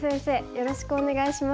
よろしくお願いします。